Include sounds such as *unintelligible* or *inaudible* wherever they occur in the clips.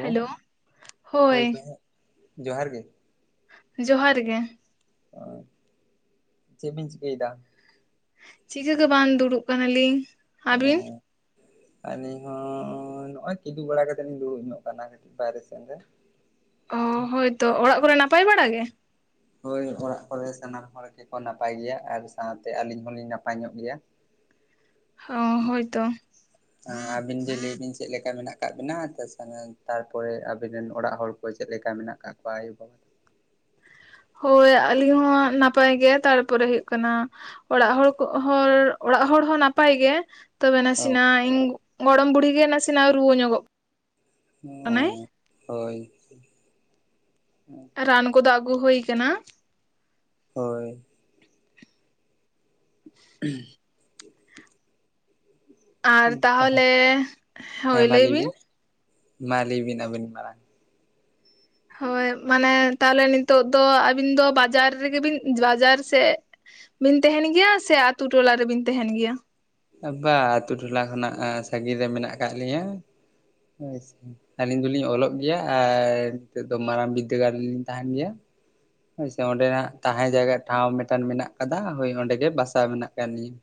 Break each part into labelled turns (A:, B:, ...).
A: Hello ᱦᱳᱭ᱾
B: ᱡᱚᱦᱟᱨ ᱜᱮ᱾
A: ᱡᱚᱦᱟᱨ ᱜᱮ᱾
B: ᱦᱳᱭ ᱪᱮᱫ ᱵᱤᱱ ᱪᱤᱠᱟᱹᱭᱫᱟ?
A: ᱪᱤᱠᱟᱹ ᱜᱮ ᱵᱟᱝ ᱫᱩᱲᱩᱵ ᱠᱟᱱᱟᱞᱤᱧ᱾ ᱟᱹᱵᱤᱱ?
B: ᱟᱹᱞᱤᱧ ᱦᱚᱸ ᱱᱚᱜᱼᱚᱭ ᱠᱤᱫᱩ ᱵᱟᱲᱟ ᱠᱟᱛᱮᱫ ᱞᱤᱧ ᱫᱩᱲᱩᱵ ᱧᱚᱜ ᱠᱟᱱᱟ ᱠᱟᱹᱴᱤᱡ ᱵᱟᱭᱨᱮ ᱥᱮᱱ ᱨᱮ᱾
A: ᱚ ᱦᱳᱭᱛᱚ ᱚᱲᱟᱜ ᱠᱚᱨᱮ ᱱᱟᱯᱟᱭ ᱵᱟᱲᱟ ᱜᱮ?
B: ᱦᱳᱭ ᱚᱲᱟᱜ ᱠᱚᱨᱮ ᱥᱟᱱᱟᱢ ᱦᱚᱲ ᱜᱮᱠᱚ ᱱᱟᱯᱟᱭ ᱜᱮᱭᱟ, ᱟᱨ ᱥᱟᱶᱛᱮ ᱟᱹᱞᱤᱧ ᱦᱚᱸᱞᱤᱧ ᱱᱟᱯᱟᱭ ᱧᱚᱜ ᱜᱮᱭᱟ᱾
A: ᱚ ᱦᱳᱭᱛᱚ
B: ᱟᱵᱤᱱ ᱜᱮ ᱞᱟᱹᱭ ᱵᱤᱱ ᱪᱮᱫ ᱞᱮᱠᱟ ᱢᱮᱱᱟᱜ ᱠᱟᱜ ᱵᱤᱱᱟ ᱛᱟᱨᱯᱚᱨᱮ ᱟᱵᱤᱱ ᱨᱮᱱ ᱚᱲᱟᱜ ᱦᱚᱲ ᱪᱮᱫ ᱞᱮᱠᱟ ᱢᱮᱱᱟᱜ ᱟᱠᱟᱫ ᱠᱚᱣᱟ ᱟᱭᱳᱼᱵᱟᱵᱟ
A: ᱦᱳᱭ ᱟᱹᱞᱤᱧ ᱦᱚᱸ ᱱᱟᱯᱟᱭ ᱜᱮ ᱛᱟᱨᱯᱚᱨᱮ ᱦᱩᱭᱩᱜ ᱠᱟᱱᱟ ᱚᱲᱟᱜ ᱦᱚᱲ ᱠᱚ ᱦᱚᱲ ᱚᱲᱟᱜ ᱦᱚᱲ ᱦᱚᱸ ᱱᱟᱯᱟᱭ ᱜᱮ᱾ ᱛᱚᱵᱮ
B: ᱚ
A: ᱱᱟᱥᱮᱱᱟᱜ ᱤᱧ ᱜᱚᱲᱚᱢ ᱵᱩᱲᱦᱤ ᱜᱮ ᱱᱟᱥᱮᱱᱟᱜ ᱨᱩᱣᱟᱹ ᱧᱚᱜᱚᱜ ᱠᱟᱱᱟᱭ
B: ᱚ ᱦᱳᱭ
A: ᱨᱟᱱ ᱠᱚᱫᱚ ᱟᱹᱜᱩ ᱦᱩᱭ ᱟᱠᱟᱱᱟ
B: ᱦᱳᱭ *unintelligible*
A: ᱟᱨ ᱛᱟᱦᱚᱞᱮ ᱦᱳᱭ ᱞᱟᱹᱭ ᱵᱤᱱ
B: ᱢᱟ ᱞᱟᱹᱭ ᱵᱤᱱ ᱟᱵᱤᱱ ᱢᱟᱲᱟᱝ
A: ᱦᱳᱭ ᱢᱟᱱᱮ ᱛᱟᱦᱚᱞᱮ ᱱᱤᱛᱳᱜ ᱫᱚ ᱟᱹᱵᱤᱱ ᱫᱚ ᱵᱟᱡᱟᱨ ᱨᱮᱜᱮ ᱵᱤᱱ ᱵᱟᱡᱟᱨ ᱥᱮᱫ ᱵᱤᱱ ᱛᱟᱦᱮᱱ ᱜᱮᱭᱟ ᱥᱮ ᱟᱛᱩ ᱴᱚᱞᱟ ᱨᱮᱵᱤᱱ ᱛᱟᱦᱮᱱ ᱜᱮᱭᱟ
B: ᱵᱟ ᱟᱛᱩ ᱴᱚᱞᱟ ᱠᱷᱚᱱᱟᱜ ᱥᱟᱜᱤᱧ ᱨᱮ ᱢᱮᱱᱟᱜ ᱟᱠᱟᱫ ᱞᱤᱧᱟᱹ᱾ ᱟᱹᱞᱤᱧ ᱫᱚᱞᱤᱧ ᱚᱞᱚᱜ ᱜᱮᱭᱟ, ᱟᱨ ᱱᱤᱛᱚᱜ ᱫᱚ ᱢᱟᱨᱟᱝ ᱵᱤᱫᱽᱫᱟᱹᱜᱟᱲ ᱨᱮᱞᱤᱧ ᱛᱟᱦᱮᱱ ᱜᱮᱭᱟ᱾ ᱟᱪᱪᱷᱟ ᱚᱸᱰᱮᱱᱟᱜ ᱛᱟᱦᱮᱸ ᱡᱟᱭᱜᱟ ᱴᱷᱟᱶ ᱢᱤᱫᱴᱟᱝ ᱢᱮᱱᱟᱜ ᱟᱠᱟᱫᱟ ᱦᱳᱭ ᱚᱸᱰᱮ ᱜᱮ ᱵᱟᱥᱟ ᱢᱮᱱᱟᱜ ᱟᱠᱟᱫ ᱞᱤᱧᱟ᱾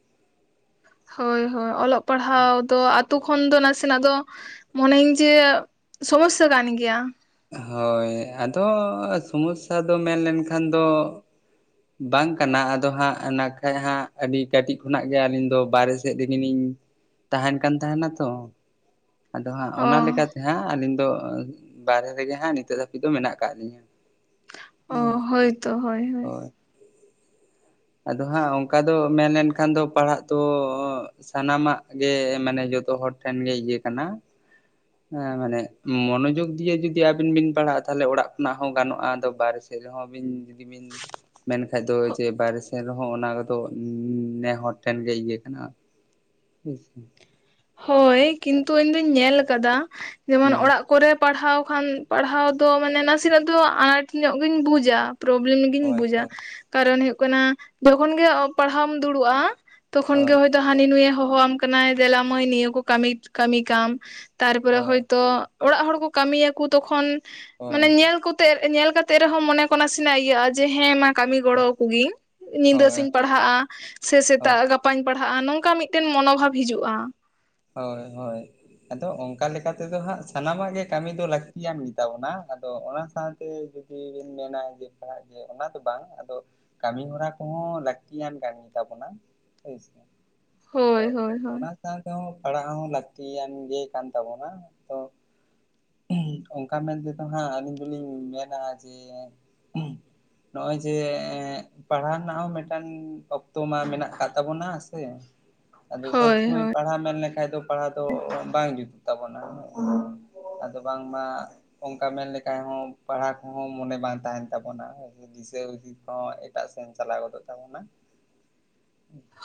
A: ᱦᱳᱭ ᱦᱳᱭ ᱚᱞᱚᱜ ᱯᱟᱲᱦᱟᱣ ᱫᱚ ᱟᱛᱳ ᱠᱷᱚᱱ ᱫᱚ ᱱᱟᱥᱮᱱᱟᱜ ᱫᱚ ᱢᱚᱱᱮ ᱟᱹᱧ ᱡᱮ ᱥᱚᱢᱚᱥᱥᱟ ᱠᱟᱱ ᱜᱮᱭᱟ
B: ᱦᱳᱭ ᱟᱫᱚ ᱥᱚᱢᱚᱥᱥᱟ ᱫᱚ ᱢᱮᱱᱞᱮᱱ ᱠᱷᱟᱱ ᱫᱚ ᱵᱟᱝ ᱠᱟᱱᱟ ᱟᱫᱚ ᱦᱟᱸᱜ ᱚᱱᱟ ᱱᱟᱠᱷᱟ ᱦᱟᱸᱜ ᱟᱹᱰᱤ ᱠᱟᱹᱴᱤᱡ ᱠᱷᱚᱱᱟᱜ ᱜᱮ ᱟᱹᱞᱤᱧ ᱫᱚ ᱵᱟᱦᱨᱮ ᱥᱮᱫ ᱨᱮᱜ ᱞᱤᱧ ᱛᱟᱦᱮᱱ ᱠᱟᱱ ᱛᱟᱦᱮᱱᱟ ᱛᱚ ᱟᱫᱚ ᱦᱟᱸᱜ
A: ᱚ
B: ᱚᱱᱟ ᱞᱮᱠᱟᱛᱮ ᱦᱟᱸᱜ ᱟᱹᱞᱤᱧ ᱫᱚ ᱵᱟᱨᱦᱮ ᱨᱮᱜᱮ ᱟᱸᱜ ᱱᱤᱛᱚᱜ ᱫᱷᱟᱹᱵᱤᱡ ᱫᱚ ᱢᱮᱱᱟᱜ ᱟᱠᱟᱫ ᱞᱤᱧᱟᱹ
A: ᱚ
B: ᱦᱮᱸ
A: ᱦᱳᱭᱛᱚ ᱦᱳᱭ ᱦᱳᱭ
B: ᱟᱫᱚ ᱦᱟᱸᱜ ᱚᱱᱠᱟ ᱫᱚ ᱢᱮᱱᱞᱮᱱᱠᱷᱟᱱ ᱫᱚ ᱯᱟᱲᱦᱟᱜ ᱛᱚ ᱥᱟᱱᱟᱢᱟᱜ ᱜᱮ ᱢᱟᱱᱮ ᱡᱚᱛᱚ ᱦᱚᱲ ᱴᱷᱮᱱ ᱜᱮ ᱤᱭᱟᱹ ᱠᱟᱱᱟ ᱦᱮᱸ ᱢᱟᱱᱮ ᱢᱚᱱᱚᱡᱳᱜᱽ ᱫᱤᱭᱮ ᱡᱩᱫᱤ ᱟᱵᱤᱱ ᱵᱤᱱ ᱯᱟᱲᱦᱟᱜᱼᱟ ᱛᱟᱦᱚᱞᱮ ᱚᱲᱟᱜ ᱠᱷᱚᱱᱟᱜ ᱦᱚᱸ ᱜᱟᱱᱚᱜᱼᱟ ᱟᱫ ᱵᱟᱨ ᱨᱮᱦᱚᱸ ᱵᱤᱱ ᱡᱩᱫᱤ ᱵᱤᱱ ᱢᱮᱱᱠᱷᱟᱡ ᱫᱚ ᱡᱮ ᱵᱟᱭᱨᱮ ᱥᱮᱫ ᱮᱱ ᱨᱮᱦᱚᱸ ᱚᱱᱟ ᱠᱚᱫᱚ ᱱᱮᱦᱚᱲ ᱴᱷᱮᱱ ᱜᱮ ᱤᱭᱟᱹ ᱠᱟᱱᱟ᱾ *unintelligible*
A: ᱦᱳᱭ ᱠᱤᱱᱛᱩ ᱤᱧ ᱫᱚᱧ ᱧᱮᱞ ᱟᱠᱟᱫᱟ ᱡᱮᱢᱚᱱ
B: ᱦᱩᱸ
A: ᱚᱲᱟᱜ ᱠᱚᱨᱮ ᱯᱟᱲᱦᱟᱣ ᱠᱷᱟᱱ ᱯᱟᱲᱦᱟᱣ ᱫᱚ ᱢᱟᱱᱮ ᱱᱟᱥᱮᱱᱟᱜ ᱫᱚ ᱟᱱᱟᱴ ᱧᱚᱜ ᱜᱮᱧ ᱵᱩᱡᱟ, ᱯᱨᱚᱵᱞᱮᱢ ᱜᱤᱧ
B: ᱦᱳᱭ
A: ᱵᱩᱡᱟ
B: ᱦᱳᱭ
A: ᱠᱟᱨᱚᱱ ᱦᱩᱭᱩᱜ ᱠᱟᱱᱟ ᱡᱚᱠᱷᱚᱱ ᱜᱮ ᱯᱟᱲᱦᱟᱣᱢ ᱫᱩᱲᱩᱵᱼᱟ ᱛᱚᱠᱷᱚᱱ ᱜᱮ
B: ᱦᱳᱭ
A: ᱦᱚᱭᱛᱳ ᱦᱟᱹᱱᱤ ᱱᱩᱭᱮ ᱦᱚᱦᱚᱣᱟᱢ ᱠᱟᱱᱟᱭ ᱫᱮᱞᱟ ᱢᱟᱹᱭ ᱱᱤᱭᱟᱹ ᱠᱚ ᱠᱟᱹᱢᱤ ᱠᱟᱹᱢᱤ ᱠᱟᱢ ᱛᱟᱨᱯᱚᱨᱮ
B: ᱦᱳᱭ
A: ᱦᱚᱳᱭᱛᱚ ᱚᱲᱟᱜ ᱦᱚᱲ ᱠᱚ ᱠᱟᱹᱢᱤᱭᱟᱠᱩ ᱛᱚᱠᱷᱚᱱ
B: ᱦᱳᱭ
A: ᱢᱟᱱᱮ ᱧᱮᱞ ᱠᱚᱛᱮ ᱧᱮᱞ ᱠᱟᱛᱮ ᱛᱮ ᱨᱮᱦᱚᱸ ᱢᱚᱱᱮ ᱠᱚ ᱱᱟᱥᱮᱱᱟᱜ ᱤᱭᱟᱹᱼᱟ ᱡᱮ ᱦᱮᱸ ᱢᱟ ᱠᱟᱹᱢᱤ
B: ᱦᱳᱭ
A: ᱜᱚᱲᱚ ᱟᱠᱚ ᱜᱮᱭᱟᱧ ᱧᱤᱫᱟᱹ
B: ᱦᱳᱭ
A: ᱥᱮᱧ
B: ᱦᱳᱭ
A: ᱯᱟᱲᱦᱟᱜᱼᱟ ᱥᱮ ᱥᱮᱛᱟᱜ ᱜᱟᱯᱟ ᱜᱟᱯᱟᱧ ᱯᱟᱲᱦᱟᱜᱼᱟ ᱱᱚᱝᱠᱟ ᱢᱤᱫᱴᱮᱱ ᱢᱚᱱᱳᱵᱷᱟᱵ ᱦᱤᱡᱩᱜᱼᱟ
B: ᱦᱳᱭ ᱦᱳᱭ ᱟᱫᱚ ᱚᱱᱠᱟ ᱞᱮᱠᱟ ᱛᱮᱫᱚ ᱦᱟᱸᱜ ᱥᱟᱱᱟᱢᱟᱜ ᱜᱮ ᱠᱟᱹᱢᱤ ᱫᱚ ᱞᱟᱹᱠᱛᱤᱭᱟᱱ ᱜᱮᱛᱟᱵᱚᱱᱟ ᱟᱫᱚ ᱚᱱᱟ ᱥᱟᱶᱛᱮ ᱤᱧ ᱢᱮᱱᱟ ᱡᱮ ᱯᱟᱲᱦᱟᱜᱮᱧ ᱚᱱᱟ ᱫᱚ ᱵᱟᱝ ᱟᱫᱚ ᱠᱟᱹᱢᱤ ᱦᱚᱨᱟ ᱠᱚᱦᱚᱸ ᱞᱟᱹᱠᱛᱤᱭᱟᱱ ᱠᱟᱹᱢᱤ ᱛᱟᱵᱚᱱᱟ ᱦᱳᱭᱥ
A: ᱦᱳᱭ
B: ᱟᱫᱚ
A: ᱦᱳᱭ ᱦᱳᱭ
B: ᱚᱱᱟ ᱥᱟᱶ ᱛᱮᱦᱚᱸ ᱯᱟᱲᱦᱟᱜ ᱦᱚᱸ ᱞᱟᱹᱠᱛᱤᱭᱟᱱ ᱜᱮ ᱠᱟᱱ ᱛᱟᱵᱚᱱᱟ ᱛᱚ ᱚᱱᱠᱟ ᱢᱮᱱ ᱛᱮᱫᱚ ᱦᱟᱸᱜ ᱟᱹᱞᱤᱧ ᱫᱚᱞᱤᱧ ᱢᱮᱱᱟ ᱡᱮ ᱱᱚᱜᱼᱚᱭ ᱡᱮ ᱯᱟᱲᱦᱟᱣ ᱨᱮᱱᱟᱜ ᱦᱚᱸ ᱢᱤᱫᱴᱟᱝ ᱚᱠᱛᱚ ᱢᱟ ᱢᱮᱱᱟᱜ ᱟᱠᱟᱫ ᱛᱟᱵᱚᱱᱟ ᱥᱮ ᱟᱫᱚ ᱥᱚᱵ
A: ᱦᱳᱭ
B: ᱥᱚᱢᱚᱭ
A: ᱦᱳᱭ
B: ᱯᱟᱲᱦᱟᱣ ᱢᱮᱱ ᱞᱮᱠᱷᱟᱡ ᱫᱚ ᱯᱟᱲᱦᱟᱣ ᱫᱚ ᱵᱟᱝ ᱡᱩᱛᱩᱜ ᱛᱟᱵᱚᱱᱟ ᱟᱫᱚ ᱵᱟᱝᱢᱟ ᱚᱱᱠᱟ ᱢᱮᱱᱞᱠᱷᱟᱡ ᱦᱚᱸ ᱯᱟᱲᱦᱟᱣ ᱠᱚᱦᱚᱸ ᱢᱚᱱᱮ ᱵᱟᱝ ᱛᱟᱦᱮᱱ ᱛᱟᱵᱚᱱᱟ ᱫᱤᱥᱟᱹ ᱦᱩᱤᱥ ᱦᱚᱸ ᱮᱴᱟᱜ ᱥᱮᱱ ᱪᱟᱞᱟᱣ ᱜᱚᱫᱚᱜ ᱛᱟᱵᱚᱱᱟ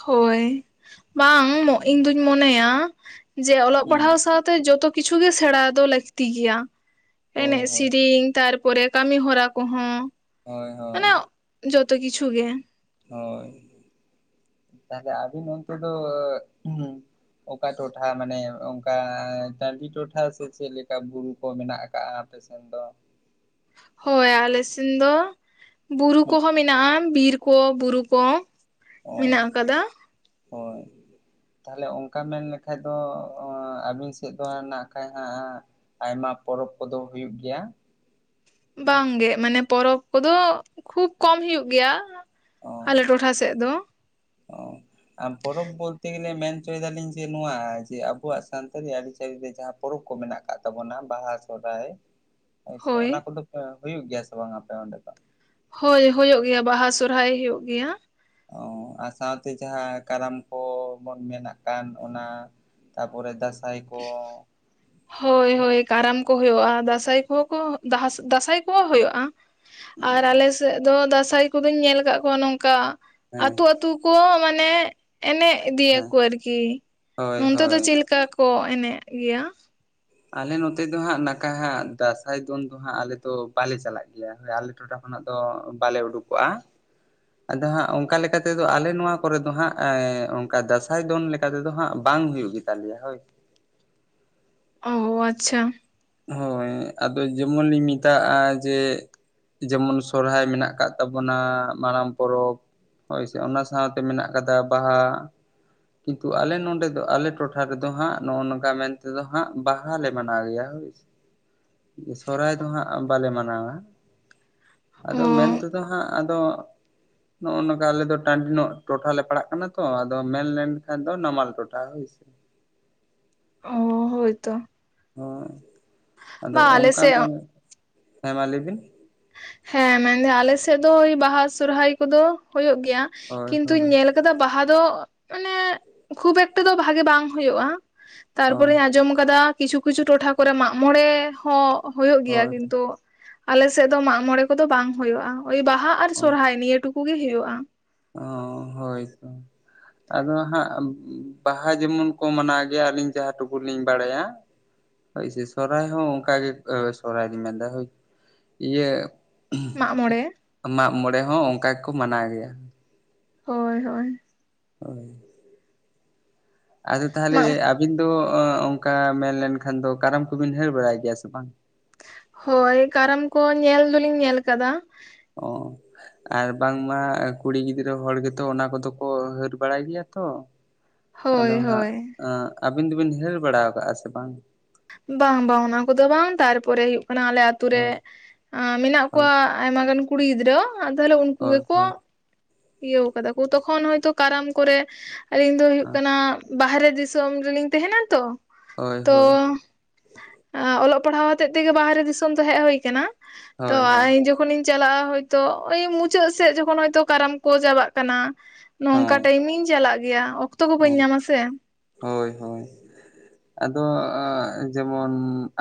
A: ᱦᱳᱭ ᱵᱟᱝ ᱤᱧ ᱫᱩᱧ ᱢᱚᱱᱮᱭᱟ ᱡᱮ ᱚᱞᱚᱜ
B: ᱦᱩᱸ
A: ᱯᱟᱲᱦᱟᱣ ᱥᱟᱶ ᱡᱚᱛᱚ ᱠᱤᱪᱷᱩ ᱜᱮ ᱥᱮᱬᱟ ᱫᱚ ᱞᱟᱹᱠᱛᱤ ᱜᱮᱭᱟ
B: ᱦᱳᱭ
A: ᱮᱱᱮᱡ
B: ᱦᱳᱭ
A: ᱥᱮᱨᱮᱧ ᱛᱟᱨ ᱛᱯᱚᱨᱮ ᱠᱟᱹᱢᱤ ᱦᱚᱨᱟ ᱠᱚᱦᱚᱸ
B: ᱦᱳᱭ
A: ᱢᱟᱱᱮ
B: ᱦᱳᱭ
A: ᱡᱚᱛᱚ ᱠᱤᱪᱷᱩ ᱜᱮ
B: ᱦᱳᱭ ᱛᱟᱦᱞᱮ ᱟᱹᱵᱤᱱ ᱚᱱᱛᱮ ᱫᱚ ᱚᱠᱟ ᱴᱚᱴᱷᱟ ᱢᱟᱱᱮ ᱚᱱᱠᱟ ᱴᱟᱺᱰᱤ ᱴᱚᱴᱷᱟ ᱥᱮ ᱪᱮᱫ ᱞᱮᱠᱟ ᱵᱩᱨᱩ ᱠᱚ ᱢᱮᱱᱟᱜ ᱟᱠᱟᱟᱜ-ᱟ? ᱮ *inaudible* ᱥ ᱫᱚ
A: ᱦᱳᱭ ᱟᱞᱮ ᱥᱮᱱ ᱫᱚ ᱵᱩᱨᱩ
B: ᱦᱩᱸ
A: ᱠᱚᱦᱚᱸ ᱢᱮᱱᱟᱜᱼᱟ ᱵᱤᱨ ᱠᱚ ᱵᱩᱨᱩ ᱠᱚ! ᱢᱮᱱᱟᱜ
B: ᱚ
A: ᱟᱠᱟᱫᱟ
B: ᱦᱳᱭ ᱛᱟᱦᱞᱮ ᱚᱱᱠᱟ ᱢᱮᱱᱞᱮᱠᱷᱟᱡ ᱫᱚ ᱟᱹᱵᱤᱱ ᱥᱮᱫ ᱫᱚ ᱱᱟᱜ ᱠᱷᱟᱡ ᱦᱟᱜ ᱟᱭᱢᱟ ᱯᱚᱨᱚᱵᱽ ᱠᱚᱫᱚ ᱦᱩᱭᱩᱜ ᱜᱮᱭᱟ ᱦᱮᱸ ᱥᱮ
A: ᱵᱟᱝᱜᱮ ᱢᱟᱱᱮ ᱯᱚᱨᱚᱵᱽ ᱠᱚᱫᱚ ᱠᱷᱩᱵ ᱠᱚᱢ ᱦᱩᱭᱩᱜ ᱜᱮᱭᱟ
B: ᱚ
A: ᱟᱞᱮ ᱴᱚᱴᱷᱟ ᱥᱮᱫ ᱫᱚ
B: ᱚ ᱯᱚᱨᱚᱵᱽ ᱵᱚᱞᱛᱮ ᱜᱮᱞᱮ ᱢᱮᱱ ᱦᱚᱪᱚᱭ ᱫᱟᱞᱤᱧ ᱡᱮ ᱱᱚᱣᱟ ᱡᱮ ᱟᱵᱚᱣᱟᱜ ᱥᱟᱱᱛᱟᱲᱤ ᱟᱹᱨᱤᱪᱟᱹᱞᱤ ᱨᱮ ᱡᱟᱦᱟᱸ ᱯᱚᱨᱚᱵᱽ ᱠᱚ ᱢᱮᱱᱟᱜ ᱟᱠᱟᱫ ᱛᱟᱵᱚᱱᱟ ᱵᱟᱦᱟ ᱥᱚᱨᱦᱟᱭ
A: *inaudible*
B: ᱦᱳᱭ ᱥᱮ ᱚᱱᱟ ᱠᱚᱫᱚᱮ ᱦᱩᱭᱩᱜ ᱜᱮᱭᱟ ᱥᱮ ᱵᱟᱝ ᱟᱯᱮ ᱚᱸᱰᱮ ᱫᱚ
A: ᱦᱳᱭ ᱦᱩᱭᱩᱜ ᱜᱮᱭᱟ ᱵᱟᱦᱟ ᱥᱚᱨᱦᱟᱭ ᱦᱩᱭᱩᱜ ᱜᱮᱭᱟ
B: ᱚ ᱟᱨ ᱥᱟᱶᱛᱮ ᱡᱟᱦᱟᱸ ᱠᱟᱨᱟᱢ ᱠᱚᱵᱚᱱ ᱢᱮᱱᱟᱜ ᱠᱟᱱ ᱚᱱᱟ ᱛᱟᱯᱚᱨᱮ ᱫᱟᱸᱥᱟᱭ ᱠᱚ
A: *inaudible* ᱦᱳᱭ ᱦᱳᱭ ᱠᱟᱨᱟᱢ ᱠᱚ ᱦᱩᱭᱩᱜᱼᱟ ᱫᱟᱸᱥᱟᱭ ᱠᱚ ᱠᱚ ᱫᱟᱸᱥᱟᱭ ᱠᱚᱦᱚᱸ ᱦᱩᱭᱩᱜᱼᱟ ᱟᱨ ᱟᱞᱮ ᱥᱮᱫ ᱫᱚ ᱫᱟᱸᱥᱟᱭ ᱠᱚᱫᱚᱧ ᱧᱮᱞ ᱟᱠᱟᱟᱜ ᱠᱚᱣᱟ ᱱᱚᱝᱠᱟ
B: ᱦᱮᱸ
A: ᱟᱹᱛᱩ ᱟᱹᱛᱩ ᱠᱚ ᱢᱟᱱᱮ ᱮᱱᱮᱡ
B: ᱦᱮᱸ
A: ᱤᱫᱤᱭᱟᱠᱚ ᱟᱨᱠᱤ
B: ᱦᱳᱭ
A: ᱱᱚᱱᱛᱮ ᱫᱚ
B: ᱦᱳᱭ
A: ᱪᱮᱫ ᱞᱮᱠᱟ ᱠᱚ ᱮᱱᱮᱡ ᱜᱮᱭᱟ
B: ᱟᱞᱮ ᱱᱚᱛᱮ ᱫᱚ ᱦᱟᱸᱜ ᱱᱟᱠᱟ ᱦᱟᱸᱜ ᱫᱟᱸᱥᱟᱭ ᱫᱚᱱ ᱫᱚ ᱦᱟᱸᱜ ᱟᱞᱮ ᱫᱚ ᱵᱟᱞᱮ ᱪᱟᱞᱟᱜ ᱜᱮᱭᱟ ᱦᱳᱭ ᱟᱞᱮ ᱴᱚᱴᱷᱟ ᱠᱷᱚᱱᱟᱜ ᱫᱚ ᱵᱟᱞᱮ ᱩᱰᱩᱠᱚᱜᱼᱟ ᱟᱫᱚ ᱦᱟᱸᱜ ᱚᱱᱠᱟ ᱞᱮᱠᱟ ᱛᱮᱫᱚ ᱟᱞᱮ ᱱᱚᱣᱟ ᱠᱚᱨᱮ ᱫᱚ ᱦᱟᱸᱜ ᱚᱱᱠᱟ ᱫᱟᱸᱥᱟᱭ ᱫᱚᱱ ᱞᱮᱠᱟ ᱪ ᱞᱮᱠᱟ ᱛᱮᱫᱚ ᱦᱟᱸᱜ ᱵᱟᱝ ᱦᱩᱭᱩᱜ ᱜᱮᱛᱟᱞᱮᱭᱟ ᱦᱳᱭ
A: ᱚ ᱟᱪᱪᱷᱟ
B: ᱦᱳᱭ ᱟᱫᱚ ᱡᱮᱢᱚᱱ ᱞᱤᱧ ᱢᱮᱛᱟᱜᱼᱟ ᱡᱮ ᱡᱮᱢᱚᱱ ᱥᱚᱨᱦᱟᱭ ᱢᱮᱱᱟᱜ ᱟᱠᱟᱫ ᱛᱟᱵᱚᱱᱟ ᱢᱟᱨᱟᱝ ᱯᱚᱨᱚᱵᱽ ᱦᱳᱭᱥᱮ ᱚᱱᱟ ᱥᱟᱶᱛᱮ ᱢᱮᱱᱟᱜ ᱟᱠᱟᱫᱟ ᱵᱟᱦᱟ ᱠᱤᱱᱛᱩ ᱟᱞᱮ ᱱᱚᱰᱮ ᱫᱚ ᱟᱞᱮ ᱴᱚᱴᱷᱟ ᱨᱮᱫᱚ ᱦᱟᱸᱜ ᱱᱚᱜᱼᱚ ᱱᱚᱝᱠᱟ ᱢᱮᱱᱛᱮᱫᱚ ᱦᱟᱸᱜ ᱵᱟᱦᱟᱞᱮ ᱢᱟᱱᱟᱣ ᱜᱮᱭᱟ ᱦᱳᱭ᱾ ᱥᱚᱨᱚᱦᱟᱭ ᱫᱚ ᱦᱟᱸᱜ ᱵᱟᱞᱮ ᱢᱟᱱᱟᱣᱟ
A: ᱚ
B: ᱟᱫᱚ ᱢᱮᱱ ᱛᱮᱫᱚ ᱦᱟᱸᱜ ᱟᱫᱚ ᱱᱚᱜ ᱚᱭ ᱱᱚᱝᱠᱟ ᱟᱞᱮᱫ ᱫᱚ ᱴᱟᱺᱰᱤ ᱧᱚᱜ ᱴᱚᱴᱷᱟ ᱞᱮ ᱯᱟᱲᱟᱜ ᱠᱟᱱᱟ ᱛᱚ᱾ᱟᱫᱚ ᱢᱮᱱᱞᱮᱱ ᱠᱷᱟᱱ ᱫᱚ ᱱᱟᱢᱟᱞ ᱴᱚᱴᱷᱟ ᱦᱚᱸ ᱦᱳᱭᱥᱤ
A: ᱚ ᱦᱳᱭ ᱛᱚ
B: ᱦᱳᱭ ᱟᱫᱚ
A: ᱟᱞᱮ
B: ᱚᱱᱠᱟᱢ
A: ᱥᱮᱫ
B: ᱦᱮᱸ ᱢᱟ ᱞᱟᱹᱭ ᱵᱤᱱ
A: ᱦᱮᱸ ᱢᱮᱱᱫᱟᱹ ᱟᱞᱮ ᱥᱮᱫ ᱫᱚ ᱳᱭ ᱵᱟᱦᱟ ᱥᱚᱨᱦᱟᱭ ᱠᱚᱫᱚ ᱦᱩᱭᱩᱜ ᱜᱮᱭᱟ
B: ᱦᱳᱭ
A: ᱠᱤᱱᱛᱩᱧ
B: ᱦᱳᱭ
A: ᱧᱮᱞ ᱠᱟᱫᱟ᱾ᱵᱟᱦᱟ ᱫᱚ ᱢᱟᱱᱮ ᱠᱷᱩᱵ ᱮᱠᱴᱟ ᱫᱚ ᱵᱷᱟᱜᱮ ᱵᱟᱝ ᱦᱩᱭᱩᱜᱼᱟ᱾
B: ᱦᱳᱭ
A: ᱛᱟᱨᱯᱚᱨᱮ ᱟᱸᱡᱚᱢ ᱟᱠᱟᱫᱟ ᱠᱤᱪᱷᱩ ᱠᱤᱪᱷᱩ ᱴᱚᱴᱷᱟ ᱠᱚᱨᱮ ᱢᱟᱜᱽ ᱢᱚᱬᱮ ᱦᱚᱸ ᱦᱳᱭᱳᱜ ᱜᱮᱭᱟ
B: ᱦᱳᱭ
A: ᱠᱤᱱᱛᱩ ᱟᱞᱮ ᱥᱮᱫ ᱫᱚ ᱢᱟᱜᱽ ᱢᱚᱬᱮ ᱠᱚᱫᱚ ᱵᱟᱝ ᱦᱩᱭᱩᱜᱼᱟ, ᱳᱭ ᱵᱟᱦᱟ ᱟᱨ ᱥᱚᱨᱦᱟᱭ ᱱᱤᱭᱟᱹ ᱴᱩᱠᱩ ᱜᱮ ᱦᱩᱭᱩᱜᱼᱟ᱾
B: ᱚ ᱦᱳᱭ ᱛᱚ
A: *inaudible*
B: ᱟᱫᱚ ᱦᱟᱸᱜ ᱵᱟᱦᱟ ᱡᱮᱢᱚᱱ ᱠᱚ ᱢᱟᱱᱟᱣ ᱜᱮᱭᱟ ᱟᱹᱞᱤᱧ ᱡᱟᱦᱟᱸ ᱴᱩᱠᱩ ᱞᱤᱧ ᱵᱟᱲᱟᱭᱟ ᱦᱳᱭ ᱥᱮ ᱥᱚᱨᱦᱟᱭ ᱦᱚᱸ ᱚᱱᱠᱟᱜ ᱜᱮ ᱥᱚᱨᱦᱟᱭ ᱞᱤᱧ ᱢᱮᱱᱫᱟ ᱦᱳᱭ ᱤᱭᱟᱹ
A: ᱢᱟᱜᱽ ᱢᱚᱬᱮ
B: ᱢᱟᱜᱽ ᱢᱚᱬᱮ ᱦᱚᱸ ᱚᱱᱠᱟ ᱜᱮᱠᱚ ᱢᱟᱱᱟᱣ ᱜᱮᱭᱟ᱾
A: ᱦᱳᱭ ᱦᱳᱭ
B: ᱦᱳᱭ ᱟᱫᱚ ᱛᱟᱦᱚᱞᱮ
A: ᱢᱟᱜ
B: ᱟᱵᱤᱱ ᱫᱚ ᱚᱱᱠᱟ ᱢᱮᱱ ᱞᱮᱱᱠᱷᱟᱱ ᱫᱚ ᱠᱟᱨᱟᱢ ᱠᱚᱵᱤᱱ ᱧᱮᱞ ᱵᱟᱲᱟᱭ ᱜᱮᱭᱟ ᱥᱮ ᱵᱟᱝ?
A: ᱦᱳᱭ ᱠᱟᱨᱟᱢ ᱠᱚ ᱧᱮᱞ ᱫᱚᱞᱤᱧ ᱧᱮᱞ ᱠᱟᱫᱟ᱾
B: ᱚ ᱟᱨ ᱵᱟᱝᱢᱟ ᱠᱩᱲᱤ ᱜᱤᱫᱽᱨᱟᱹ ᱦᱚᱲ ᱜᱮᱛᱚ ᱚᱱᱟ ᱠᱚᱫᱚ ᱠᱚ ᱦᱟᱹᱨ ᱵᱟᱲᱟᱭ ᱜᱮᱭᱟ ᱛᱚ᱾ ᱟᱫᱚ
A: ᱦᱳᱭ
B: ᱦᱟᱸᱜ
A: ᱦᱳᱭ
B: ᱟᱹᱵᱤᱱ ᱫᱚᱵᱤᱱ ᱦᱟᱹᱨ ᱵᱟᱲᱟ ᱠᱟᱜᱼᱟ ᱥᱮ ᱵᱟᱝ?
A: ᱵᱟᱝ ᱵᱟᱝ ᱚᱱᱟ ᱠᱚᱫᱚ ᱵᱟᱝ ᱛᱟᱨᱯᱚᱨᱮ ᱦᱩᱭᱩᱜ ᱠᱟᱱᱟ ᱟᱞᱮ ᱟᱛᱩ ᱨᱮ
B: ᱦᱳᱭ
A: ᱢᱮᱱᱟᱜ ᱠᱚᱣᱟ ᱟᱭᱢᱟ ᱜᱟᱱ ᱜᱤᱫᱽᱨᱟᱹ ᱛᱟᱦᱚᱞᱮ ᱩᱱᱠᱩ
B: ᱦᱳᱭ
A: ᱜᱮᱠᱚ
B: ᱦᱳᱭ
A: ᱤᱭᱟᱹ ᱠᱟᱫᱟ ᱠᱚ ᱛᱚᱠᱷᱚᱱ ᱦᱳᱭᱛᱳ ᱠᱟᱨᱟᱢ ᱠᱚᱨᱮ ᱟᱹᱞᱤᱧ ᱫᱚ ᱦᱩᱭᱩᱜ
B: ᱦᱳᱭ
A: ᱠᱟᱱᱟ ᱵᱟᱦᱨᱮ ᱫᱤᱥᱚᱢ ᱨᱤᱱᱤᱧ ᱛᱟᱦᱮᱱᱟ ᱛᱚ᱾
B: ᱦᱳᱭ
A: ᱛᱚ
B: ᱦᱳᱭ
A: ᱚᱞᱚᱜ ᱯᱟᱲᱦᱟᱣ ᱦᱚᱛᱮᱡ ᱛᱮᱜᱮ ᱵᱟᱦᱨᱮ ᱫᱤᱥᱚᱢ ᱫᱚ ᱦᱮᱡ ᱦ ᱟᱠᱟᱱᱟ᱾ᱛᱚ
B: ᱦᱳᱭ ᱦᱳᱭ
A: ᱤᱧ ᱡᱚᱠᱷᱚᱱᱤᱧ ᱪᱟᱞᱟᱜᱼᱟ ᱦᱳᱭᱛᱳ ᱳᱭ ᱢᱩᱪᱟᱹᱫ ᱥᱮᱫ ᱡᱚᱠᱷᱚᱱ ᱦᱚᱭᱛᱳ ᱠᱟᱨᱟᱢ ᱠᱚ ᱪᱟᱵᱟᱜ ᱠᱟᱱᱟ ᱱᱚᱝᱠᱟ
B: ᱦᱚᱸ
A: ᱴᱟᱭᱤᱢᱤᱧ ᱪᱟᱞᱟᱜ ᱜᱮᱭᱟ᱾ ᱚᱠᱛᱚ ᱠᱚ
B: ᱚ
A: ᱵᱟᱹᱧ ᱧᱟᱢᱟ ᱥᱮ
B: ᱦᱳᱭ ᱦᱳᱭ ᱟᱫᱚ ᱡᱮᱢᱚᱱ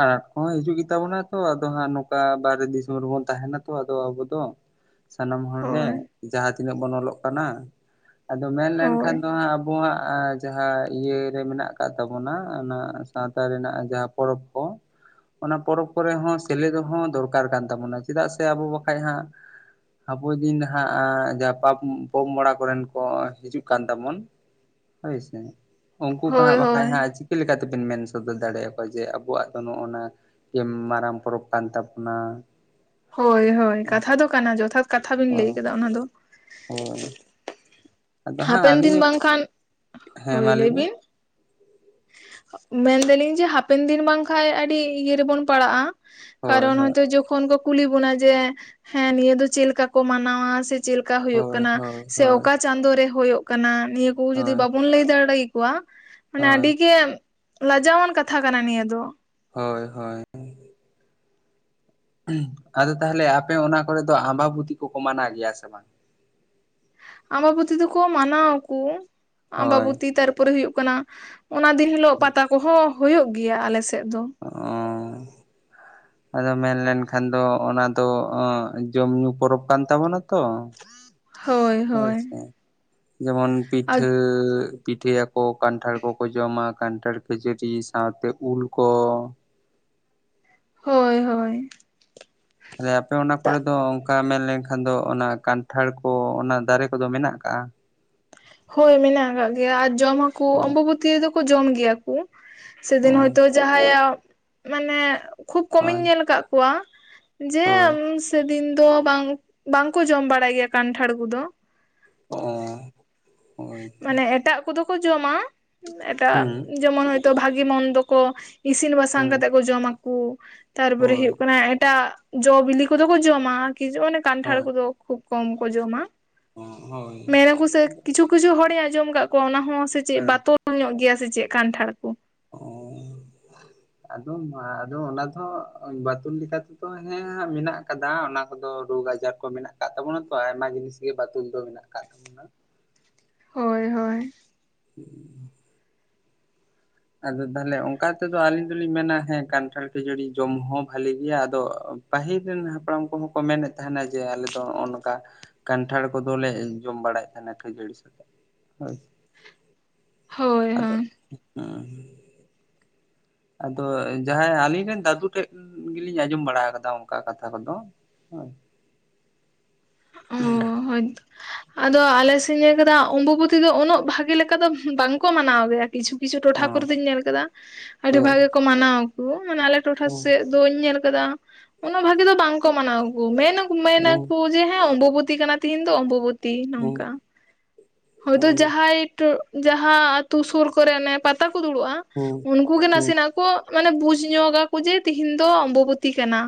B: ᱟᱸᱴᱚ ᱠᱚᱦᱚᱸ ᱦᱤᱡᱩᱜ ᱜᱮᱛᱟ ᱵᱚᱱᱟ ᱛᱚ ᱟᱫᱚ ᱦᱟᱸᱜ ᱚᱠᱟ ᱵᱟᱨᱦᱮ ᱫᱤᱥᱚᱢ ᱨᱮᱵᱚᱱ ᱛᱟᱦᱮᱱᱟ ᱛᱚ ᱟᱫᱚ ᱟᱵᱚ ᱫᱚ
A: *inaudible*
B: ᱥᱟᱱᱟᱢ ᱦᱚᱲ ᱜᱮᱮ
A: ᱦᱳᱭ
B: ᱡᱟᱦᱟᱸ ᱛᱤᱱᱟᱹᱜ ᱵᱚᱱ ᱚᱞᱚᱜ ᱠᱟᱱᱟ᱾ ᱟᱫᱚ ᱢᱮᱱ
A: ᱦᱳᱭ
B: ᱞᱮᱠᱷᱟᱱ ᱫᱚ ᱦᱟᱸᱜ ᱟᱵᱚᱣᱟᱜ ᱡᱟᱦᱟᱸ ᱤᱭᱟᱹ ᱨᱮ ᱢᱮᱱᱟᱜ ᱟᱠᱟᱫ ᱛᱟᱵᱚᱱᱟ ᱚᱱᱟ ᱥᱟᱶᱛᱟ ᱨᱮᱱᱟᱜ ᱡᱟᱦᱟᱸ ᱯᱚᱨᱚᱵᱽ ᱠᱚ ᱚᱱᱟ ᱯᱚᱨᱚᱵᱽ ᱠᱚᱨᱮ ᱦᱚᱸ ᱥᱮᱞᱮᱫᱚᱜ ᱦᱚᱸ ᱫᱚᱨᱠᱟᱨ ᱠᱟᱱ ᱛᱟᱵᱚᱱᱟ ᱪᱮᱫᱟᱜ ᱥᱮ ᱟᱵᱚ ᱵᱟᱠᱷᱷᱟᱡ ᱦᱟᱸᱜ ᱟᱵᱚ ᱫᱤᱱ ᱦᱟᱸᱜ ᱡᱟᱦᱟᱸ ᱯᱚ-ᱯᱚᱜᱲᱟ ᱠᱚᱨᱮᱱ ᱠᱚ ᱦᱤᱡᱩᱜ ᱠᱟᱱ ᱛᱟᱵᱚᱱ ᱦᱳᱭ ᱥᱮ᱾ᱩᱱᱠᱩ ᱠᱚ
A: ᱦᱳᱭ
B: ᱦᱟᱸᱜ ᱵᱟᱠᱷᱟᱡ
A: ᱦᱳᱭ
B: ᱦᱟᱸᱜ ᱪᱮᱫ ᱞᱮᱠᱟ ᱛᱮᱵᱮᱱ ᱢᱮᱱ ᱥᱚᱫᱚᱨ ᱫᱟᱲᱮᱭᱟᱠᱚᱣᱟ ᱡᱮ ᱟᱵᱚᱣᱟᱜ ᱫᱚ ᱱᱚᱜᱼᱚᱱᱟ ᱜᱮ ᱢᱟᱨᱟᱝ ᱯᱚᱨᱚᱵᱽ ᱠᱟᱱ ᱛᱟᱵᱚᱱᱟ᱾
A: ᱦᱳᱭ ᱦᱳᱭ ᱠᱟᱛᱷᱟ ᱫᱚ ᱠᱟᱱᱟ ᱡᱚᱛᱷᱟᱛ ᱠᱟᱛᱷᱟ ᱵᱮᱱ ᱞᱟᱹᱭ ᱠᱮᱫᱟ ᱚᱱᱟ ᱫᱚ
B: ᱦᱳᱭ ᱟᱫᱚ ᱦᱟᱸᱜ
A: ᱦᱟᱯᱮᱱ ᱫᱤᱱ
B: ᱟᱹᱞᱤᱧ
A: ᱵᱟᱝᱠᱷᱟᱱ ᱦᱳᱭ ᱞᱟᱹᱭ ᱵᱤᱱ ᱢᱮᱱᱫᱟᱞᱤᱧ ᱡᱮ ᱦᱟᱯᱮᱱ ᱫᱤᱱ ᱵᱟᱝᱠᱷᱟᱱ ᱟᱹᱰᱤ ᱤᱭᱟᱹ ᱨᱮᱵᱚᱱ ᱯᱟᱲᱟᱜᱼᱟ᱾
B: ᱦᱳᱭ
A: ᱠᱟᱨᱚᱱ
B: ᱦᱳᱭ
A: ᱦᱚᱭᱛᱳ ᱡᱚᱠᱷᱚᱱ ᱠᱚ ᱠᱩᱞᱤ ᱵᱚᱱᱟ ᱡᱮ ᱦᱮᱸ ᱱᱤᱭᱟᱹ ᱫᱚ ᱪᱮᱫᱞᱮᱠᱟ ᱠᱚ ᱢᱟᱱᱟᱣᱟ ᱥᱮ ᱪᱮᱫ ᱞᱮᱠᱟ ᱦᱩᱭᱩᱜ
B: ᱦᱳᱭ
A: ᱠᱟᱱᱟ
B: ᱦᱳᱭ
A: ᱥᱮ
B: ᱦᱳᱭ
A: ᱚᱠᱟ ᱪᱟᱸᱫᱳ ᱨᱮ ᱦᱳᱭᱳᱜ ᱠᱟᱱᱟ᱾ᱱᱤᱭᱟᱹ ᱠᱚ ᱡᱩᱫᱤ
B: ᱦᱳᱭ
A: ᱵᱟᱵᱚᱱ ᱞᱟᱹᱭ ᱫᱟᱲᱮ ᱢᱟᱱᱮ
B: ᱦᱳᱭ
A: ᱟᱹᱰᱤ ᱜᱮ ᱞᱟᱡᱟᱣᱟᱱ ᱠᱟᱛᱷᱟ ᱠᱟᱱᱟ ᱱᱤᱭᱟᱹ ᱫᱚ᱾
B: ᱦᱳᱭ ᱦᱳᱭ ᱟᱫᱚ ᱛᱟᱦᱚᱞᱮ ᱟᱯᱮ ᱚᱱᱟ ᱠᱚᱨᱮ ᱫᱚ ᱟᱢᱵᱟᱵᱩᱛᱤ ᱠᱚᱠᱚ ᱢᱟᱱᱟᱣ ᱜᱮᱭᱟ ᱥᱮ ᱵᱟᱝ?
A: ᱟᱢᱵᱟᱵᱚᱛᱤ ᱫᱚᱠᱚ ᱢᱟᱱᱟᱣᱟᱚ
B: ᱦᱳᱭ
A: ᱟᱢᱵᱟᱵᱚᱛᱤ ᱛᱟᱨᱯᱚᱨᱮ ᱦᱩᱭᱩᱜ ᱠᱟᱱᱟ ᱚᱱᱟ ᱫᱤᱱ ᱦᱤᱞᱳᱜ ᱯᱟᱛᱟ ᱠᱚᱦᱚᱸ ᱦᱩᱭᱩᱜ ᱜᱮᱭᱟ ᱟᱞᱮ ᱥᱮᱫ ᱫᱚ
B: ᱚ ᱟᱫᱚ ᱢᱮᱱᱞᱱᱠᱷᱟᱱ ᱫᱚ ᱚᱱᱟ ᱫᱚ ᱡᱚᱢ ᱧᱩ ᱯᱚᱨᱚᱵᱽ ᱠᱟᱱ ᱛᱟᱵᱚᱱᱟ ᱛᱚ
A: ᱦᱳᱭ ᱦᱳᱭ
B: ᱟᱪᱪᱷᱟ, ᱡᱮᱢᱚᱱ
A: ᱟᱨ
B: ᱯᱤᱴᱷᱟᱹ ᱯᱤᱴᱷᱟᱹᱭᱟᱠᱚ ᱠᱟᱱᱴᱷᱟᱲ ᱠᱚᱠᱚ ᱡᱚᱢᱟ ᱠᱟᱱᱴᱷᱟᱲ ᱠᱷᱟᱹᱡᱟᱹᱲᱤ ᱥᱟᱶᱛᱮ ᱩᱞ ᱠᱚ
A: ᱦᱳᱭ ᱦᱳᱭ
B: *unintelligible* ᱟᱯᱮ ᱚᱱᱟ ᱠᱚᱨᱮ
A: ᱛᱟᱜ
B: ᱫᱚ ᱚᱝᱠᱟ ᱢᱮᱱ ᱞᱮᱱᱠᱷᱟᱱ ᱫᱚ ᱚᱱᱟ ᱠᱟᱱᱴᱷᱟᱲ ᱠᱚ ᱚᱱᱟ ᱫᱟᱨᱮ ᱠᱚᱫᱚ ᱢᱮᱱᱟᱜ ᱟᱠᱟᱟᱜᱼᱟ
A: ᱦᱳᱭ ᱢᱮᱱᱟᱜ ᱠᱟᱜ ᱜᱮᱭᱟ ᱟᱨ ᱡᱚᱢ ᱦᱚᱸᱠᱩ
B: ᱚ
A: ᱚᱢᱵᱵᱚᱛᱤ ᱫᱚ ᱠᱚ ᱡᱚᱢ ᱜᱮᱭᱟ ᱠᱩ
B: ᱚ
A: ᱥᱮᱫᱤᱱ ᱦᱚᱳᱭᱛᱳ ᱡᱟᱦᱟᱸᱭᱟᱜ ᱢᱟᱱᱮ ᱠᱷᱩᱵ ᱠᱚᱢᱤᱧ
B: ᱦᱳᱭ
A: ᱧᱮᱞ ᱠᱟᱜ ᱠᱚᱣᱟ ᱡᱮ
B: ᱦᱳᱭ
A: ᱥᱮᱫᱤᱱ ᱫᱚ ᱵᱟᱝ ᱵᱟᱝᱠᱚ ᱡᱚᱢ ᱵᱟᱲᱟᱭ ᱜᱮᱭᱟ ᱠᱟᱱᱴᱷᱟᱲ ᱠᱚᱫᱚ
B: ᱚ ᱦᱳᱭ
A: ᱢᱟᱱᱮ ᱮᱴᱟᱜ ᱠᱚᱫᱚ ᱠᱚ ᱡᱚᱢᱟ ᱮᱴᱟᱜ
B: ᱦᱩᱸ
A: ᱡᱮᱢᱚᱱ ᱦᱚᱭᱛᱳ ᱵᱷᱟᱜᱤ ᱢᱚᱱᱫᱚ ᱠᱚ ᱤᱥᱤᱱ ᱵᱟᱥᱟᱝ
B: ᱦᱩᱸ
A: ᱠᱟᱛᱮᱜ ᱠᱚ ᱡᱚᱢᱟᱠᱩ ᱛᱟᱨᱯᱚᱨᱮ
B: ᱦᱳᱭ
A: ᱦᱩᱭᱩᱜ ᱠᱟᱱᱟ ᱮᱴᱟᱜ ᱡᱚ ᱵᱤᱞᱤ ᱠᱚᱫᱚ ᱠᱚ ᱡᱚᱢᱟ ᱠᱤ ᱚᱱᱮ ᱠᱟᱱᱴᱷᱟᱲ
B: ᱦᱳᱭ
A: ᱠᱚᱫᱚ ᱠᱷᱩᱵ ᱠᱚᱢ ᱠᱚ ᱡᱚᱢᱟ
B: ᱦᱳᱭ
A: ᱢᱮᱱᱟᱠᱚ ᱥᱮᱠ ᱠᱤᱪᱷᱩ ᱠᱤᱪᱷᱩ ᱦᱚᱲᱮᱧ ᱟᱸᱡᱚᱢ ᱠᱟᱫ ᱠᱚᱣᱟ ᱚᱱᱟ ᱦᱚᱸ ᱥᱮ ᱪᱮᱫ ᱵᱟᱛᱚᱞ ᱛᱚᱞ ᱧᱚᱜ ᱜᱮᱭᱟ ᱥᱮ ᱪᱮᱫ ᱠᱟᱱᱴᱷᱟᱲ ᱠᱚ
B: ᱚ ᱟᱫᱚ ᱢᱟ ᱟᱫᱚ ᱚᱱᱟ ᱫᱚ ᱵᱟᱛᱚᱞ ᱞᱮᱠᱟ ᱛᱮᱫᱚ ᱦᱮᱸ ᱦᱟᱸᱜ ᱢᱮᱱᱟᱜ ᱠᱟᱫᱟ ᱚᱱᱟ ᱠᱚᱫᱚ ᱨᱳᱜᱽ ᱟᱡᱟᱨ ᱠᱚ ᱢᱮᱱᱟᱜ ᱟᱠᱟᱫ ᱛᱟᱵᱚᱱᱟ ᱛᱚ ᱟᱭᱢᱟ ᱡᱤᱱᱤᱥ ᱜᱮ ᱵᱟᱛᱚᱞ ᱫᱚ ᱢᱮᱱᱟᱜ ᱟᱠᱟᱫ ᱛᱟᱵᱚᱱᱟ
A: ᱦᱳᱭ ᱦᱳᱭ
B: ᱦᱩᱸ ᱟᱫᱚ ᱛᱟᱦᱞᱮ ᱚᱝᱠᱟ ᱛᱮᱫᱚ ᱟᱞᱤᱧ ᱫᱚᱞᱤᱧ ᱢᱮᱱᱟ ᱦᱮᱸ ᱠᱟᱱᱴᱷᱟᱲ ᱠᱷᱟᱹᱡᱟᱲᱤ ᱡᱚᱢ ᱦᱚᱸ ᱵᱷᱟᱞᱤ ᱜᱮᱭᱟ ᱟᱫᱚ ᱯᱟᱹᱤᱞ ᱨᱮᱱ ᱦᱟᱯᱲᱟᱢ ᱠᱚᱦᱚᱸ ᱠᱚ ᱢᱮᱱᱮᱫ ᱛᱟᱦᱮᱱᱟ ᱡᱮ ᱟᱞᱮ ᱫᱚ ᱦᱚᱸᱜᱼᱚ ᱱᱚᱝᱠᱟ ᱠᱟᱱᱴᱷᱟᱲ ᱠᱚᱫᱚᱞᱮ ᱡᱚᱢ ᱵᱟᱲᱟᱭᱮᱫ ᱛᱟᱦᱮᱱᱟ ᱠᱷᱟᱹᱡᱟᱹᱲᱤ ᱥᱟᱛᱮᱜ ᱦᱳᱭ
A: ᱦᱳᱭ ᱦᱳᱭ
B: ᱦᱩᱸ ᱟᱫᱚ ᱡᱟᱦᱟᱸᱭ ᱟᱞᱤᱧ ᱨᱮᱱ ᱫᱟᱹᱫᱩ ᱴᱷᱮᱡ ᱜᱮᱞᱤᱧ ᱟᱸᱡᱚᱢ ᱵᱟᱲᱟ ᱟᱠᱟᱫᱟ ᱚᱝᱠᱟ ᱠᱟᱛᱷᱟ ᱠᱚᱫᱚ ᱦᱮᱸ
A: ᱚ ᱦᱳᱭᱛ ᱟᱫᱚ ᱟᱞᱮ ᱥᱮᱜ ᱤᱧ ᱧᱮᱞ ᱠᱮᱫᱟ ᱚᱢᱵᱚᱵᱚᱛᱤ ᱫᱚ ᱩᱱᱳᱜ ᱵᱷᱟᱜᱮ ᱞᱮᱠᱟ ᱫᱚ ᱵᱟᱝᱠᱚ ᱢᱟᱱᱟᱣ ᱜᱮᱭᱟ ᱠᱤᱪᱷᱩ ᱠᱤᱪᱷᱩ ᱴᱚᱴᱷᱟ
B: ᱦᱚᱸ
A: ᱠᱚᱨᱮ ᱫᱚᱧ ᱧᱮᱞ ᱠᱟᱫᱟ ᱟᱹᱰᱤ ᱵᱷᱟᱜᱮ
B: ᱦᱳᱭ
A: ᱠᱚ ᱢᱟᱱᱟᱣᱟ ᱠᱚ ᱢᱟᱱᱮ ᱟᱞᱮ ᱴᱚᱴᱷᱟ
B: ᱦᱩᱸ
A: ᱥᱮᱫ ᱫᱚᱧ ᱧᱮᱞ ᱠᱟᱫᱟ ᱩᱱᱟᱹᱜ ᱵᱷᱟᱜᱤ ᱫᱚ ᱵᱟᱝᱠᱚ ᱢᱟᱱᱟᱣᱟᱠᱚ ᱢᱮᱱᱟ ᱠᱩ ᱢᱮᱱᱟ
B: ᱦᱩᱸ
A: ᱠᱩ ᱦᱮᱸ ᱚᱢᱚᱵᱚᱛᱤ ᱠᱟᱱᱟ ᱛᱤᱦᱤᱧ ᱫᱚ ᱚᱢᱚᱵᱚᱛᱤ ᱱᱚᱝᱠᱟ ᱦᱳᱭᱛᱚ
B: ᱦᱳᱭ
A: ᱡᱟᱦᱟᱸᱭ ᱴᱚ ᱡᱟᱦᱟᱸ ᱟᱛᱩ ᱥᱩᱨ ᱠᱚᱨᱮ ᱚᱱᱮ ᱯᱟᱛᱟ ᱠᱚ ᱫᱩᱲᱩᱵᱼᱟ
B: ᱦᱩᱸ
A: ᱩᱱᱠᱩ ᱜᱮ
B: ᱦᱩᱸ
A: ᱱᱟᱥᱮᱱᱟᱜ ᱠᱚ ᱢᱟᱱᱮ ᱵᱩᱡ ᱧᱚᱜᱟ ᱠᱚ ᱡᱮ ᱛᱤᱦᱤᱧ ᱫᱚ ᱚᱢᱚᱵᱩᱛᱤ ᱠᱟᱱᱟ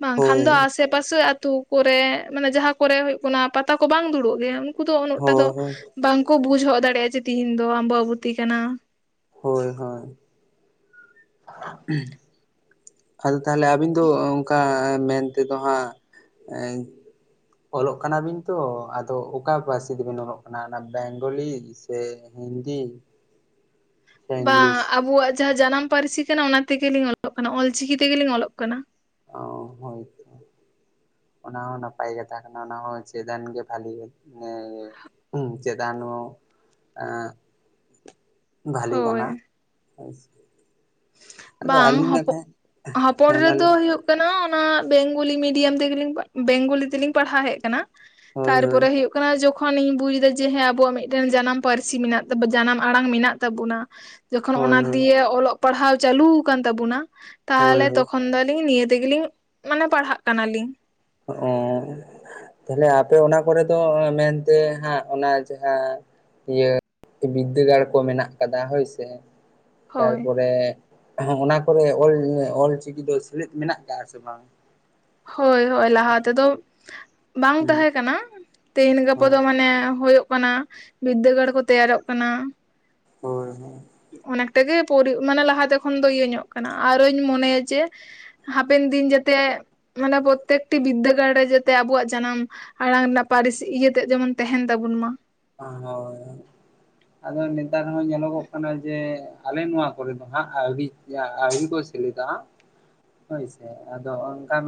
A: ᱵᱟᱝᱠᱷᱟᱱ
B: ᱦᱳᱭ
A: ᱫᱚ ᱟᱥ ᱥᱮ ᱯᱟᱥᱮ ᱟᱹᱛᱩ ᱠᱚᱨᱮ ᱢᱟᱱᱮ ᱡᱟᱦᱟᱸ ᱠᱚᱨᱮ ᱦᱩᱭᱩᱜ ᱠᱟᱱᱟ ᱯᱟᱛᱟ ᱠᱚ ᱵᱟᱝ ᱫᱩᱲᱩᱵ ᱜᱮᱭᱟ ᱩᱱᱠᱩ ᱫᱚ ᱩᱱᱟᱹᱜ ᱴᱟ ᱫᱚ
B: ᱦᱳᱭ ᱦᱳᱭ
A: ᱵᱟᱝᱠᱚ ᱵᱩᱡᱽ ᱦᱚᱜ ᱫᱟᱲᱮᱭᱟᱜᱼᱟ ᱡᱮ ᱛᱤᱦᱤᱧ ᱫᱚ ᱟᱢᱚᱵᱚᱛᱤ ᱠᱟᱱᱟ
B: ᱦᱳᱭ ᱦᱳᱭ ᱯᱷᱟᱞ ᱛᱟᱦᱞᱮ ᱟᱵᱤᱱ ᱫᱚ ᱚᱝᱠᱟ ᱢᱮᱱ ᱛᱮᱫᱚ ᱦᱟᱸᱜ ᱮᱸ ᱚᱞᱚᱜ ᱠᱟᱱᱟᱵᱤᱱ ᱛᱚ ᱟᱫᱚ ᱚᱠᱟ ᱯᱟᱹᱨᱥᱤ ᱛᱮᱵᱤᱱ ᱚᱞᱚᱜ ᱠᱟᱱᱟ ᱚᱱᱟ ᱵᱮᱝᱜᱚᱞᱤ ᱥᱮ ᱦᱤᱱᱫᱤ ᱥᱮ
A: ᱵᱟ,
B: ᱤᱝᱞᱤᱥ
A: ᱟᱵᱚᱣᱟᱜ ᱡᱟᱦᱟᱸ ᱡᱟᱱᱟᱢ ᱯᱟᱹᱨᱥᱤ ᱠᱟᱱᱟ ᱚᱱᱟ ᱛᱮᱜᱮᱞᱤᱧ ᱚᱞᱚᱜ ᱠᱟᱱᱟ ᱚᱞᱪᱤᱠᱤ ᱛᱮᱜᱮᱞᱤᱧ ᱚᱞᱚᱜ ᱠᱟᱱᱟ
B: ᱚ ᱦᱳᱭ, ᱚᱱᱟᱦ ᱦᱚᱸ ᱱᱟᱯᱟᱭ ᱠᱟᱛᱷᱟ ᱠᱟᱱᱟ ᱚᱱᱟ ᱦᱚᱸ ᱪᱮᱫᱟᱱ ᱜᱮ ᱵᱷᱟᱞᱤᱭᱮᱱ *unintelligible* ᱦᱩᱸ, ᱪᱮᱫᱟᱱᱚᱜ ᱮᱸ ᱵᱷᱟᱹᱞᱤ
A: ᱦᱳᱭ
B: ᱵᱟᱱᱟᱜ ᱦᱳᱭ ᱥᱮ
A: ᱵᱟᱝ ᱦᱚᱯᱚ, ᱦᱟᱯᱚᱲ
B: ᱦᱮᱸ ᱢᱟ
A: ᱨᱮᱫᱚ
B: ᱞᱟᱹᱭ
A: ᱦᱩᱭᱩᱜ ᱜᱟᱱᱚᱜ-ᱟ ᱚᱱᱟ ᱵᱮᱝᱜᱚᱞᱤ ᱢᱤᱰᱤᱭᱟᱢ ᱛᱮᱜᱮᱞᱧ, ᱵᱮᱝᱜᱚᱞᱤ ᱛᱮᱞᱤᱧ ᱯᱟᱲᱦᱟᱣ ᱦᱮᱡ ᱠᱟᱱᱟ
B: ᱦᱳᱭ ᱦᱳᱭ
A: ᱛᱟᱨᱯᱚᱨᱮ ᱦᱩᱭᱩᱜ ᱠᱟᱱᱟ ᱡᱚᱠ ᱠᱷᱚᱱᱤᱧ ᱵᱩᱡ ᱮᱫᱟ ᱡᱮ ᱦᱮᱸ ᱟᱵᱚᱣᱟᱜ ᱢᱤᱜᱴᱮᱱ ᱡᱟᱱᱟᱢ ᱯᱟᱹᱨᱥᱤ ᱢᱮᱱᱟᱜ ᱛᱟ ᱡᱟᱱᱟᱢ ᱟᱲᱟᱝ ᱢᱮᱱᱟᱜ ᱛᱟᱵᱚᱱᱟ᱾ ᱡᱚᱠᱷᱚᱱ
B: ᱦᱳᱭ
A: ᱚᱱᱟ
B: ᱦᱳᱭ
A: ᱫᱤᱭᱮ ᱚᱞᱚᱜ ᱯᱟᱲᱦᱟᱣ ᱪᱟᱹᱞᱩᱣ ᱠᱟᱱ ᱛᱟᱵᱚᱱᱟ,
B: ᱦᱳᱭ
A: ᱛᱟᱦᱚᱞᱮ
B: ᱦᱳᱭ
A: ᱛᱚᱠᱷᱚᱱ ᱫᱚ ᱞᱤᱧ ᱱᱤᱭᱟᱹ ᱛᱮᱜᱮᱞᱤᱧ ᱢᱟᱱᱮ ᱯᱟᱲᱦᱟᱜ ᱠᱟᱱᱟᱞᱤᱧ
B: ᱚᱻ ᱛᱟᱦᱞᱮ ᱟᱯᱮ ᱚᱱᱟ ᱠᱚᱨᱮ ᱫᱚ ᱢᱮᱱᱛᱮ ᱦᱟᱸᱜ ᱚᱱᱟ ᱡᱟᱦᱟᱸ, ᱤᱭᱟᱹ ᱵᱤᱫᱽᱫᱟᱹᱜᱟᱲ ᱠᱚ ᱢᱮᱱᱟᱜ ᱟᱠᱟᱫᱟ ᱦᱳᱭ ᱥᱮ,
A: ᱦᱳᱭ
B: ᱛᱟᱨᱯᱚᱨᱮ ᱚᱱᱟ ᱠᱚᱨᱮ ᱚᱞᱪᱤᱠᱤ ᱫᱚ ᱥᱮᱞᱮᱫ ᱢᱮᱱᱟᱜ ᱠᱟᱜᱼᱟ ᱥᱮ ᱵᱟᱝ?
A: ᱦᱳᱭ ᱦᱳᱭ ᱞᱟᱦᱟ ᱛᱮᱫᱚ ᱵᱟᱝ
B: ᱦᱩᱸ
A: ᱛᱟᱦᱮᱸ ᱠᱟᱱᱟ᱾ ᱛᱮᱦᱮᱧ ᱜᱟᱯᱟ
B: ᱦᱳᱭ
A: ᱫᱚ ᱢᱟᱱᱮ ᱦᱳᱭᱳᱜ ᱠᱟᱱᱟ ᱵᱤᱫᱽᱫᱟᱹᱜᱟᱲ ᱠᱚ ᱛᱮᱭᱟᱨᱚᱜ ᱠᱟᱱᱟ᱾
B: ᱦᱳᱭ ᱦᱳᱭ᱾
A: ᱚᱱᱮᱠᱴᱟ ᱜᱮ ᱯᱩᱨᱤ ᱢᱟᱱᱮ ᱞᱟᱦᱟᱛᱮ ᱠᱷᱚᱱ ᱫᱚ ᱤᱭᱟᱹ ᱧᱚᱜ ᱠᱟᱱᱟ ᱟᱨᱚᱧ ᱢᱚᱱᱮᱭᱟ ᱡᱮ, ᱦᱟᱯᱮᱱ ᱫᱤᱱ ᱡᱟᱛᱮ ᱢᱟᱱᱮ ᱯᱨᱚᱛᱮᱠᱴᱤ ᱵᱤᱫᱽᱫᱟᱹᱜᱟᱲ ᱨᱮ ᱡᱟᱛᱮ ᱟᱵᱚᱣᱟᱜ ᱡᱟᱱᱟᱢ ᱟᱲᱟᱝ ᱨᱮᱱᱟᱜ ᱯᱟᱹᱨᱤᱥ ᱤᱭᱟᱹᱛᱮᱜ ᱡᱮᱢᱚᱱ ᱛᱟᱦᱮᱱ ᱛᱟᱵᱚᱱ ᱢᱟ᱾
B: ᱦᱳᱭ ᱟᱫᱚ ᱱᱮᱛᱟᱨ ᱦᱚᱸ ᱧᱮᱞᱚᱜᱚᱜ ᱠᱟᱱᱟ ᱡᱮ᱾ ᱟᱞᱮ ᱱᱚᱣᱟ ᱠᱚᱨᱮ ᱫᱚ ᱦᱟᱸᱜ ᱟᱹᱣᱨᱤ ᱟᱣᱨᱤ ᱠᱚ ᱥᱮᱞᱮᱫᱟ᱾ ᱦᱳᱭᱥᱮ ᱟᱫᱚ ᱚᱱᱠᱟᱱ